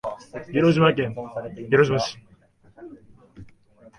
広島県広島市